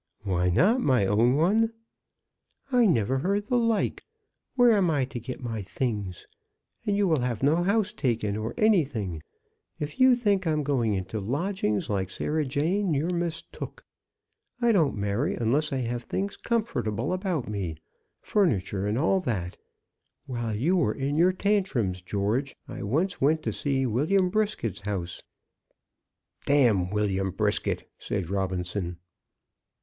"Why not, my own one?" "I never heard the like! Where am I to get my things? And you will have no house taken or anything. If you think I'm going into lodgings like Sarah Jane, you're mistook. I don't marry unless I have things comfortable about me, furniture, and all that. While you were in your tantrums, George, I once went to see William Brisket's house." " William Brisket!" said Robinson.